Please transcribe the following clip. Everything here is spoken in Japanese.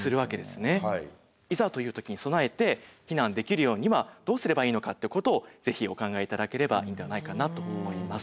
いざという時に備えて避難できるようにはどうすればいいのかってことをぜひお考え頂ければいいんではないかなと思います。